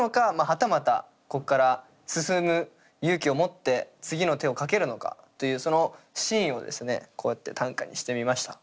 はたまたここから進む勇気を持って次の手を掛けるのかというそのシーンをですねこうやって短歌にしてみました。